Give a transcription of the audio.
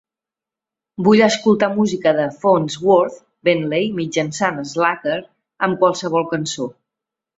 Vull escoltar música de Fonzworth Bentley mitjançant Slacker amb qualsevol cançó.